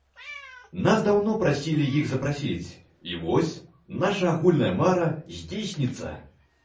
Нас даўно прасілі іх запрасіць, і вось, наша агульная мара здзейсніцца.